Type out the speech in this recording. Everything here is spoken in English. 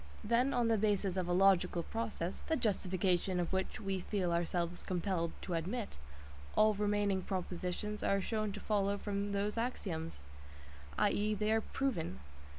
Then, on the basis of a logical process, the justification of which we feel ourselves compelled to admit, all remaining propositions are shown to follow from those axioms, i.e. they are proven.